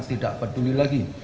tidak peduli lagi